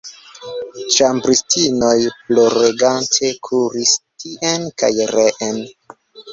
Ĉambristinoj ploregante kuris tien kaj reen.